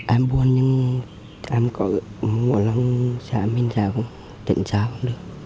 em buồn nhưng em có một lần sẽ tìm ra tình trạng